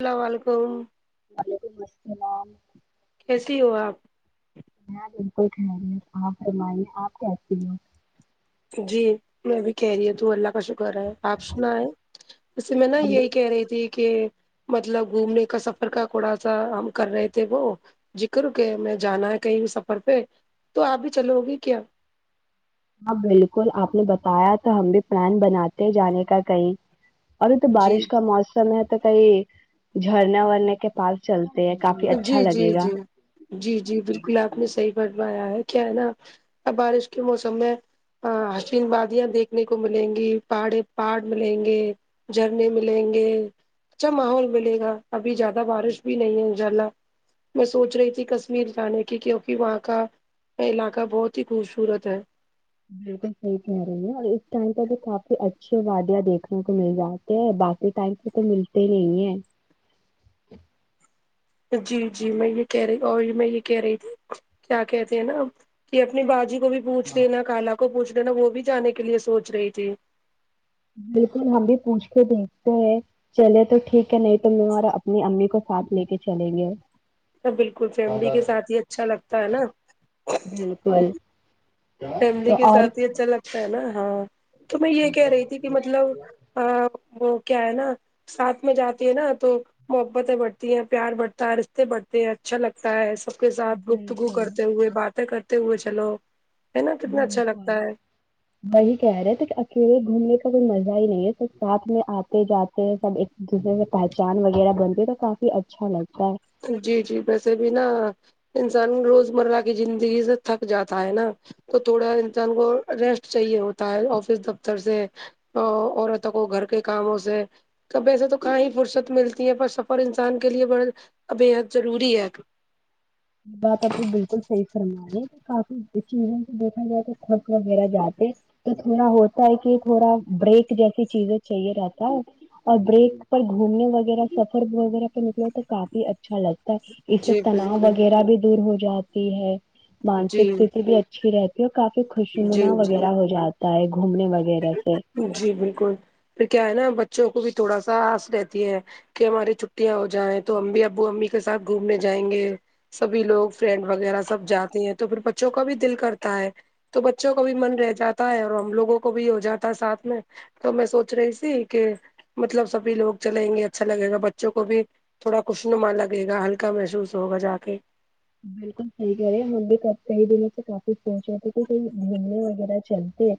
السلام وعلیکم وعلیکم اسلام کیسی ہو آپ میں بلکل تھیک آپ فرمایے آپ کیسی ہے جی میں بھی کہریت ہوں اللہ کا شک شکر ہے آپ سنایں اسے میں نا ہم بھی یہی کہہ رہی تھے کہ مطلب گھومنے کا سفر کا کھوڑا سا ہم کر رہے تھے وہ ذکر کے میں جانا ہے کہیں سفر پہ تو آپ بھی چلو گی کیا ہاں بلکل آپ نے بتایا تو ہم بھی پلان بناتے ہیں جانے کا کنہیں ابھی تو جی بارش کا موسم ہے تو کئی جھرنے وورنے کے پاس چلت دے کافی اچھا جی جی لگے گا جی جی جی بلکل آپ نے صحیح فرمایا ہے کیا ہے نا اب بارش کے موسم میں ہاں حشین بادیاں دیکھنے کو ملیں گی پہاڑے پہاڑ ملیں گے جھرنے ملیں گے اچھا ماحول ملے گا ابھی جیادہ بارش بھی نہیں ہے جھرنا میں سوچ رہی تھی کشمیر جانے کی کیونکہ وہاں کا یہ علاقہ بہت ہی خوبصورت ہے بلکل صحیح کہہ رہی ہیں اور اس ٹائم پہ بھی کافی اچھیے وادیا دیکھنے کو مل جاتی ہ باقی ٹائم پے تو ملتے نہیں ہے جی جی میں یہ کہہ رہی اور یہ میں یہ کہہ رہی تھی کیا کہتے ہیں نا کہ اپنی باجی کو بھی پوچھ لینا کالا کو پوچھ لینا وہ بھی جانے کے لیے سوچ رہی تھی بلکل ہم بھی پوچھ کے دیکھتے ہیں چلے تو ٹھیک ہے نہیں تو میں اور اپنی امی کو ساتھ لے کے چلیں گے ہا بلکل فیملی کے ساتھ ہی اچھا لگتا ہے نا بلکل فیملی کے ساتھ ہی اچھا لگتا ہے نا ہاں تو میں یہ کہہ رہی تھی کہ مطلب اور کیا ہے نا ساتھ میں جاتی ہے نا تو محبتیں بڑھتی ہیں پیار بڑھتا ہے رشتے بڑھتے ہیں اچھا لگتا ہے سب کے ساتھ گفتگو بالکل کرتے ہوئے باتیں کرتے ہوئے چلو ہے نا کتنا اچھا لگتا ہے [unintelligible] وہی کہہ رہے ہیں تو اکیلے گھومنے کا کوئی مزہ ہی نہیں ہے ساتھ میں آتے جاتے تھوڈا سب ایک دوسرے سے پہچان وغیرہ بنتی ہے تو کافی اچھا لگتا ہے جی جی ویسے بھی نا انسان روز مرہ کی زندگی سے تھک جاتا ہے نا تو تھوڑا انسان کو ریسٹ چاہیے ہوتا ہے آفس دفتر سے ا عورتوں کو گھر کے کاموں سے کبھی ایسے تو کہاں ہی فرصت ملتی ہے پر سفر انسان کے لیے بڑ بے حد ضروری ہے یہ بات آپ نے بالکل صحیح فرما رہی کافی چیزوں سے دیکھا جائے تو کڑک وغیرہ جاتے تو تھوڑا ہوتا ہے کہ تھوڑا بریک جیسی چیزیں چاہیے رہتا ہے اور بریک پر گھومنے وغیرہ سفر وغیرہ پہ نکلے ہو تو کافی اچھا لگتا اس سے جی تناؤ بالکل وغیرہ بھی دور ہو جاتی ہے جی مانسک ستیتھی بھی اچھ اچھی رہتی ہے اور کافی خوشی جی منا جی وغیرہ ہو جاتا ہے گھومنے وغیرہ سے جی بالکل پھر کیا ہے نا بچوں کو بھی تھوڑا سا آس رہتی ہے کہ ہماری چھٹیاں ہو جائیں تو ہم بھی ابو امی کے ساتھ گھومنے جائیں گے سبھی لوگ فرینڈ وغیرہ سب جاتے ہیں تو پھر بچوں کا بھی دل کرتا ہے تو بچوں کو بھی من رہ جاتا ہے اور ہم لوگوں کو بھی ہو جاتا ہے ساتھ میں تو میں سوچ رہی کہ مطلب سبھی لوگ چلیں گے اچھا لگے گا بچوں کو بھی تھوڑا خوش نما لگے گا ہلکا محسوس ہوگا جا کے بالکل صحیح کہے رہے من کب سے کئی دنوں سے کافی سوچ رہتے کہ کہی گھومنے وغیرہ چلتے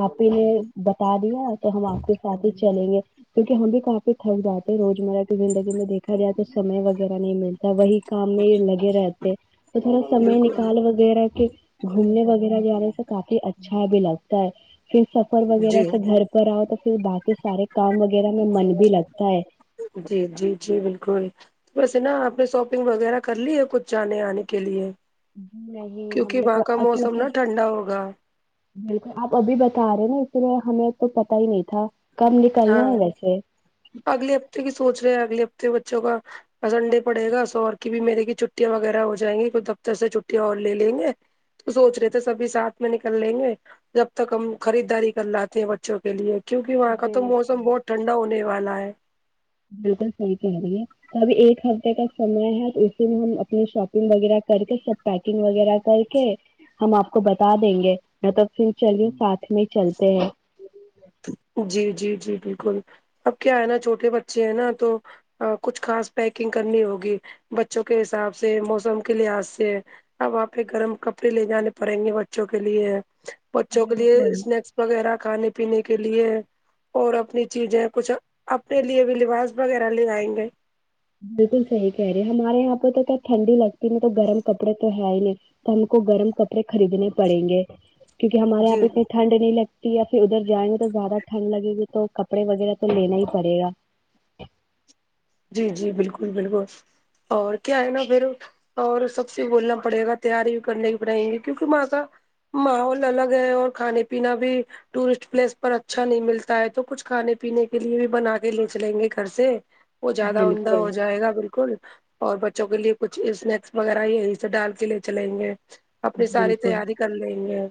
آپ پہلے بتا دیا تو ہم آپ کے ساتھ ہی چلیں گے کیونکہ ہم بھی کافی تھک جاتے ہیں روزمرہ کی زندگی میں دیکھا جائے تو سمے وغیرہ نہیں ملتا وہی کام میں یہ لگے رہتے تو تھوڑا سمے بالکل نکال وغیرہ کے گھومنے وغیرہ جارے تو کافی اچھا بھی لگتا ہے پھر سفر وغیرہ جی سے گھر پر آؤ تو پھر باقی سارے کام وغیرہ میں من بھی لگتا ہے جی جی جی بالکل ویسے نا آپ نے شاپنگ وغیرہ کر لی ہے کچھ جانے آنے کے لیے جی نہیں ہم کیونکہ نے وہاں کا تو موسم نا کیونکہ ٹھنڈا ہوگا بالکل آپ ابھی بتا رہے نا اسی لیے ہمیں تو پتا ہی نہیں تھا کب ہاں نکلنا ہے ویسے اگلے ہفتے کی سوچ رہے ہیں اگے ہفتے بچوں کا سنڈے پڑے گا شوہر کی بھی مہنے کی چھٹیاں وغیرہ ہو جائیں گی تو دفتر سے چھٹیاں اور لے لیں گے سوچ رہے تھے سبھی ساتھ میں نکل لیں گے جب تک ہم خریداری کر لاتے ہیں بچوں کے لیے کیونک وہاں کا تو موسم بالکل بہت ٹھنڈا ہونے والا ہے بالکل صحیح کہہ رہی ہے ابھی ایک ہفتے کا سمے ہے تو اسی میں ہم اپنی شاپنگ وغیرہ کر کے سب پیکنگ وغیرہ کر کے ہم آپ کو بتا دیں گے نہ تو پھر چلے ساتھ میں چلتے ہیں جی جی جی بالکل اب کیا ہے نا چھوٹے بچے ہیں نا تو کچھ خاص پیکنگ کرنی ہوگی بچوں کے حساب سے موسم کے لحاظ سے اب وہاں پہ گرم کپڑے لے جانے پڑیں گے بچوں کے لیے بچوں کے لیے بالکل اسنیکس وغیرہ کھانے پینے کے لیے اور اپنی چیزیں کچھ اپنے لیے بھی لباس وغیرہ لے آئیں گے بالکل صحیح کہہ رہے ہمارے یہاں پہ تو کیا ٹھنڈی لگتی نہی تو گرم کپڑے تو ہے ہی نہیں تو ہم کو گرم کپڑے خریدنے پڑیں گے کیونکہ ہمارے یہاں جی پہ اتنے ٹھنڈ نہیں لگتی یا پھر ادھر جائیں گے تو زیادہ ٹھنڈ لگے گی تو کپڑے وغیرہ تو لینا ہی پڑے گا جی جی بالکل بالکل اور کیا ہے نا پھر اور سب سے بولنا پڑے گا تیاری بھی کرنے کی پڑے گی کیونکہ وہا ں کا ماحول الگ ہے اور کھانے پینا بھی ٹورسٹ پلیس پر اچھا نہیں ملتا ہے تو کچھ کھانے پینے کے لیے بھی بنا کے لے چلیں گے گھر سے وہ زیادہ اوندھا بالکل ہو جائے گا بالکل اور بچوں کے لیے کچھ اسنیکس وغیرہ یہی سے ڈال کے لے چلیں گے اپنی ساری بالکل تیاری کر لیں گے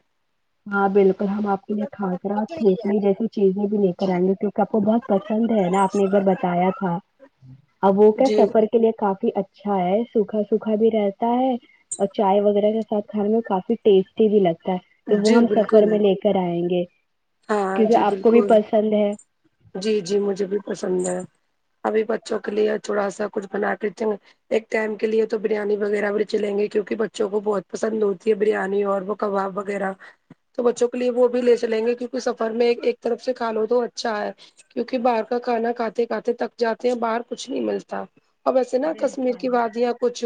ہاں بالکل ہم آپ کے لیے کھاکرا تھیپڑی جیسی چیزیں بھی لے کر آئیں گے کیونکہ آپ کو بس پسند ہے نا آپ نے ایک بار بتایا تھا اب وہ کیا جی سفر کے لیے کافی اچھا ہے سوکھا سوکھا بھی رہتا ہے اور چائے وغیرہ کے ساتھ کھانے میں کافی ٹیسٹی بھی لگتا ہے تو وہ جی ہم سفر بالکل میں لے کر آئیں گے ہاں کیونکہ جی آپ کو بھی بالکل پسند ہے جی جی مجھے بھی پسند ہے ابھی بچوں کے لیے تھوڑا سا کچھ بنا دیتے ایک ٹائم کے لیے تو بریانی وغیرہ بھی لے چلیں گے کیونکہ بچوں کو بہت پسند ہوتی ہے بریانی اور وہ کباب وغیرہ تو بچوں کے لیے وہ بھی لے چلیں گے کیونکہ سفر میں ایک طرف سے کھالو تو اچھا ہے کیونکہ باہر کا کھانا کھاتے کھاتے تھک جاتے ہیں باہر کچھ نہیں ملتا اور ویسے نا کشمیر بالکل کی وادیاں کچھ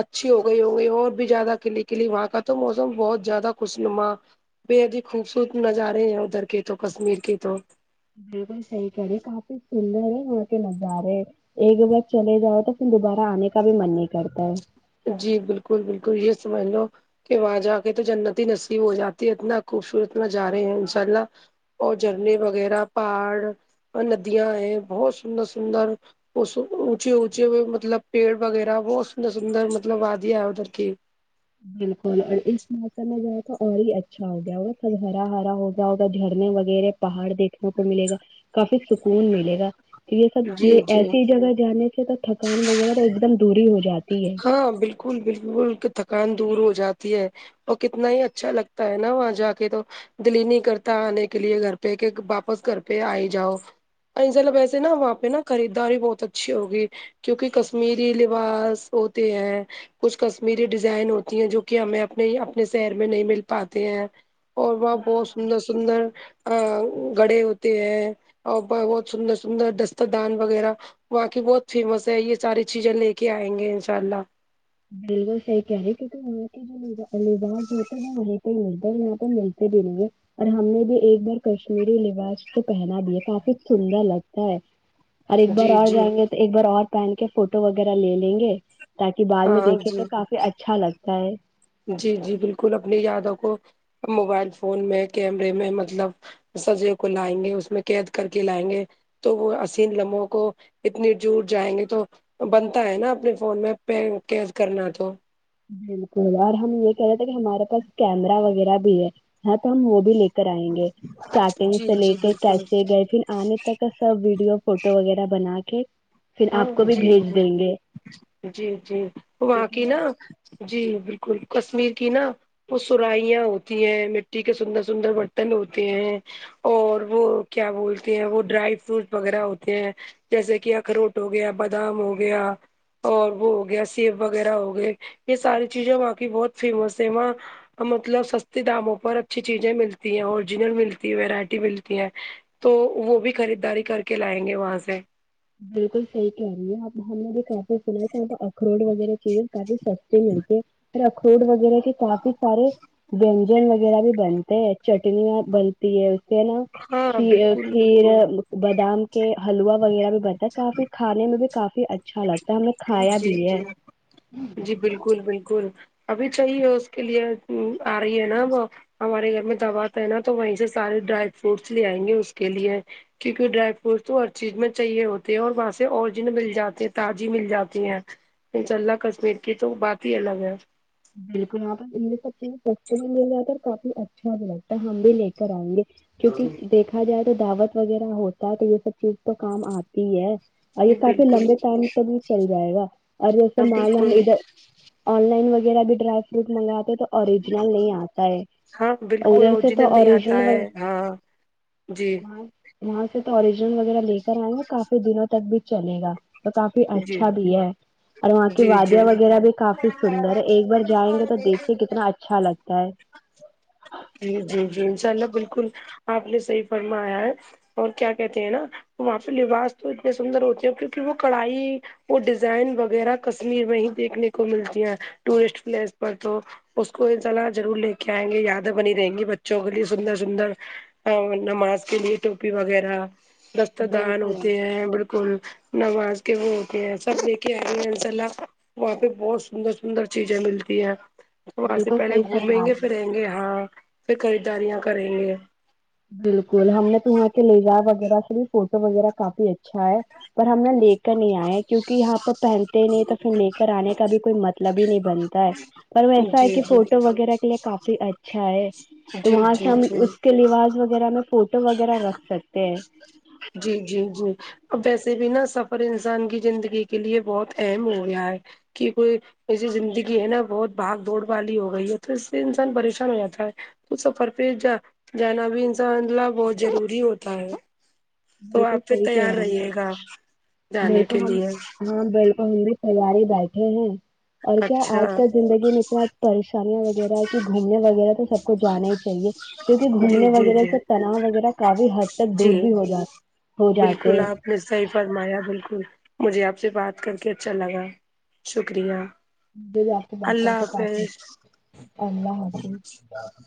اچھی ہو گئی ہو گئی اور بھی زیادہ کلی کلی وہاں کا تو موسم بہت زیادہ خوشنما بے حد خوبصورت نظارے ہیں ادھر کے تو کشمیر کے تو بالکل صحیح کری کافی سندر ہے وہاں کے نظارے ایک بار چلے جاؤ تو پھر دوبارہ آنے کا بھی من نہیں کرتا ہے جی بالکل بالکل یہ سمجھ لو کہ وہاں جا کے تو جنت ہی نصیب ہو جاتی ہے اتنا خوبصورت میں جا رہی ہو انشاء اللہ اور جھرنے وغیرہ پہاڑ اور ندیاں ہے بہت سندر سندر اس اونچے اونچے مطلب پیڑ وغیرہ بہت سندر سندر مطلب وادیاں ادھر کی بالکل اور اس موسم میں جائے تو اور ہی اچھا ہو گیا ہو ہرا ہرا ہو گیا ہوگا جھرنے وغیرہ پہاڑ دیکھنے کو ملے گا کافی سکون ملے گا یہ سب جی یہ جی ایسی جگہ جانے سے تو تھکان وغیرہ ایک دم دوری ہو جاتی ہے ہاں بالکل بالکل تو تھکان دور ہو جاتی ہے اور کتنا ہی اچھا لگتا ہے نا وہاں جا کے تو دل ہی نہیں کرتا آنے کے لیے گھر پہ کہ پاپا گھر پہ آ ہی جاؤ کنظل ویسے نہ وہاں پہ نا خریداری بہت اچھی ہوگی کیونکہ کشمیری لباس ہوتے ہے کچھ کشمیری ڈیزائن ہوتی ہیں جو کہ ہمیں اپنے اپنے شہر میں نہیں مل پاتے ہیں اور وہاں بہت سندر سندر آ گڑھے ہوتے ہیں اور بہت سندر سندر دستر دان وغیرہ وہاں کی بہت فیمس ہے یہ ساری چیزیں لے کے آئیں گے انشاء اللہ بالکل صحی کہہ ری تھی [unintelligible] باز ملتے ہے نہ وہیں پہ ملتے ہے یہاں پہ ملتے بھی نہیں ہے اور ہم نے بھی ایک بار کشمیری لباس کو پہنا بھی ہے کافی سندر لگتا ہے اور ایک بار جی اور جی جائیں گے تو ایک بار اور پہن کے فوٹو وغیرہ لے لیں گے تاکہ بعد ہاں میں دیکھ جی کافی اچھا لگتا ہے جی جی بالکل اپنی یادوں کو موبائل فون میں کیمرے میں مطلب سجے کو لائیں گے اس میں قید کر کے لائیں گے تو وہ حسین لمحوں کو اتنے جور جائیں گے تو بنتا ہے نا اپنے فون میں پین کیج کرنا تو بالکل اور ہم یہ کہہ رہے تھے کہ ہمارے پاس کیمرا وغیرہ بھی ہے ہاں تو ہم وہ بھی لے کریں گے اسٹارٹنگ جی سے لے جی کے بالکل کیسے گئے پھر آنے تک کا سب ویڈیو فوٹو وغیرہ بنا کے پھر ہاں آپ کو بھی جی جی بھیج دیں گے بالکل جی جی وہاں کیونکہ کی یہ نا جی بالکل کشمیر کی نا وہ سرائیاں ہوتی ہیں مٹی کے سندر سندر برتن ہوتے ہیں اور وہ کیا بولتے ہیں وہ ڈرائی فروٹ وغیرہ ہوتے ہیں جیسے کہ اخروٹ ہو گیا بادام ہو گیا اور وہ ہو گیا سیب وغیرہ ہو گئے یہ ساری چیزیں وہاں کی بہت فیمس ہے وہاں مطلب سستے داموں پر اچھی چیزیں ملتی ہیں اوریجنل ملتی ہے ویرائٹی ملتی ہیں تو وہ بھی خریدداری کر کے لائیں گے وہاں سے بالکل صحی کہہ رہی ہے آپ ہم نے بھی کافی سنا تھا اخروٹ وغیرہ چیزیں کافی سستے ملتے اخروٹ وغیرہ کے کافی سارے ورنجن وغیرہ بھی بنتے ہیں چٹنیاں بن تی ہے اس سے نا ہاں کھی بالکل کھیر بالکل بادام کے حلوا وغیرہ بھی بن کافی کھانے میں بھی کافی اچھا لگتا ہے ہم نے کھایا جی بھی ہے جی جی بالکل بالکل ابھی چاہیے اس کے لیے آ رہی ہے نا وہ ہمارے گھر میں دعوا ت ہے نا تو وہیں سے سارے ڈرائی فروٹس لے آئیں گے اس کے لیے کیونکہ ڈرائی فروٹس تو ہر چیز میں چاہیے ہوتے ہیں اور وہاں سے اوریجن مل جاتے ہیں تاز مل جاتی ہیں انشاء اللہ کشمیر کی تو بات ہی الگ ہے بالکل یہاں پرس یہ سب چیزیں سستے میں مل جاتی اور کافی اچھا بھی لگتا ہے ہم بھی لے کر آئیں گے کیونکہ دیکھا جائے تو دعوت وغیرہ ہوتا ہے تو یہ سب چیز تو کام آتی ہے اور یہ جی کافی بالکل لمبے ٹائم تک بھی چل جائے گا اور ہاں جیسے مال ہم بالکل ادھر آن لائنہ وغیرہ ڈرائی فروٹ مگا تے تو اوریجنل نہیں آتا ہے ہاں بالکل ادھر سے تو نہیں آتا اوریجنل ہے ہاں جی وہاں وہاں سے تو اوریجنل وغیرہ لے کر آئیں گا کافی دنوں تک بھی چلے گا تو کافی جی اچھا بھی ہے اور وہاں کی جی جی وادیاں وغیرہ بھی کافی سندر ہے اگر جائیں گے تو دیکھئے کتنا اچھا لگتا ہے جی جی جی انشاء اللہ بالکل آپ نے صحیح فرمایا ہے اور کیا کہتے ہیں نا وہاں پہ لباس تو اتنے سندر ہوتے ہیں کیونکہ وہ کڑائی وہ ڈیزائن وغیرہ کشمیر میں ہی دیکھنے کو ملتی ہیں ٹورسٹ پلیس پر تو اس کو انسلا ضرور لے کے آئیں گے یادیں بنی رہیں گی بچوں کے لیے سندر سندر ا نماز کے لیے ٹوپی وغیرہ رست دان بالکل ہوتے ہیں بالکل نواز کے وہ ہوتے ہیں سب لے کے آئے انشا اللہ وہاں پہ بہت سندر سندر چیزیں ملتی ہیں تو وہاں سے بالکل پہلے صحیح گھومیں فرما گے رہی ہیں۔ پھریں گے ہاں پھر خریداریاں کریں گے بالکل ہم نے تو وہاں کے لے جایا وغیرہ سے بھی فوٹو وغیرہ کافی اچھا ہے پر ہم نے لے کر نہیں آئے ہیں کیوںکہ یہاں پر پہنتے نہیں تو پھر لے کر آنے کا بھی کوئی مطلب ہی نہیں بنتا ہے پر ایسا ہے جی کہ جی فوٹو وغیرہ کے لیے کافی اچھا ہے تو جی جی وہاں سے ہم جی اس کے لواس وغیرہ میں فوٹو وغیرہ رکھ سکتے ہیں جی جی جی ویسے بھی نا سفر انسان کی زندگی کے لیے بہت اہم ہو گیا ہے کہ کوئی ایسی زندگی ہے نا بہت بھاگ دوڑ والی ہو گئی ہے تو اس سے انسان پریشان ہو جاتا ہے تو سفر پہ جا جانا بھی انسان نہ بہت ضروری ہوتا ہے تو بالکل آپ پھر صحیح تیار کہہ رہی رہیے گا ہے جانے بالکل کے ہم لیے ہاں بالکل ہم بھی تیار ہی بیٹھے ہیں اور کیا اچھا آج کل زندگی میں اتنا پریشانیاں وغیرہ ہے کہ گھومنے وغیرہ تو سب کو جانا ہی چاہیے کیوںکہ جی گھومنے جی وغیرہ جی سے تناؤ وغیرہ کافی حد تک دور جی بھی ہو جاتا ہو جاتے بالکل ہیں آپ نے صحیح فرمایا بالکل مجھے آپ سے بات کر کے اچھا لگا شکریہ مجھے بھی آپ سے بات کر اللہ کے کافی حافظ اللہ حافظ